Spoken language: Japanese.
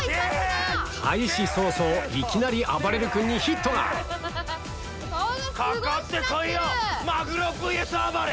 開始早々いきなりあばれる君にヒットがかかってこいよ！